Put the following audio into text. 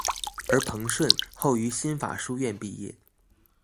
而彭顺后于新法书院毕业。